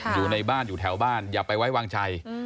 อยู่ในบ้านอยู่แถวบ้านอย่าไปไว้วางใจ